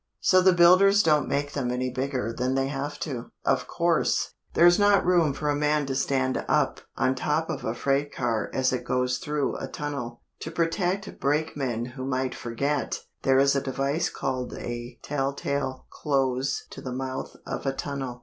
So the builders don't make them any bigger than they have to. Of course, there's not room for a man to stand up on top of a freight car as it goes through a tunnel. To protect brakemen who might forget, there is a device called a tell tale close to the mouth of a tunnel.